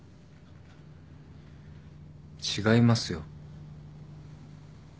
違いますよ。